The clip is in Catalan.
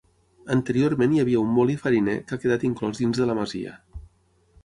Anteriorment hi havia un molí fariner que ha quedat inclòs dins de la masia.